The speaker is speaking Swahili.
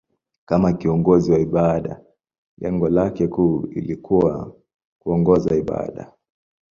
Kama kiongozi wa ibada, lengo lake kuu lilikuwa kuongoza ibada.